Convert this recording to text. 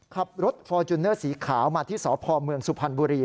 ขับรถฟอร์จูเนอร์สีขาวมาที่สพเมืองสุพรรณบุรี